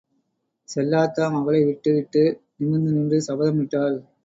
செல்லாத்தா மகளை விட்டு விட்டு நிமிர்ந்து நின்று சபதமிட்டாள்.